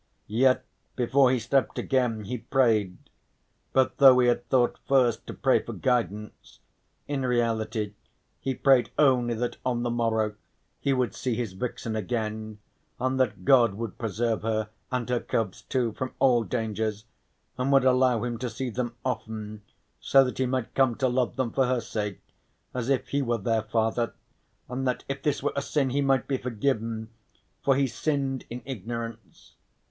Yet before he slept again he prayed, but though he had thought first to pray for guidance, in reality he prayed only that on the morrow he would see his vixen again and that God would preserve her, and her cubs too, from all dangers, and would allow him to see them often, so that he might come to love them for her sake as if he were their father, and that if this were a sin he might be forgiven, for he sinned in ignorance.